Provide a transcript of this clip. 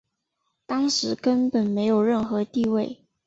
当时根本没有任何地位。